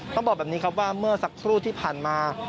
ต้องบอกแบบนี้ครับว่าเมื่อสักครู่ที่ผ่านมา